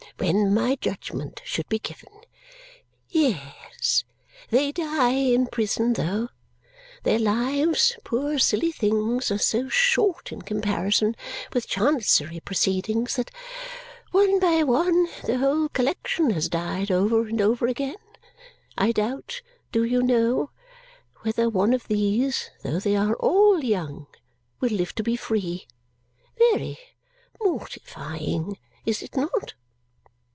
When my judgment should be given. Ye es! They die in prison, though. Their lives, poor silly things, are so short in comparison with Chancery proceedings that, one by one, the whole collection has died over and over again. I doubt, do you know, whether one of these, though they are all young, will live to be free! Ve ry mortifying, is it not?"